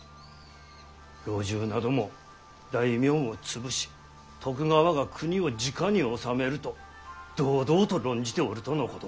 老中なども「大名を潰し徳川が国をじかに治める」と堂々と論じておるとのこと。